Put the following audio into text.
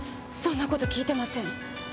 そんな事聞いてません。